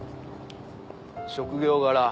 職業柄